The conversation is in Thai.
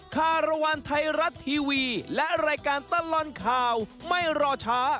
คารวรรณไทยรัฐทีวีและรายการตลอดข่าวไม่รอช้า